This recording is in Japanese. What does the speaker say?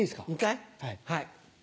はい。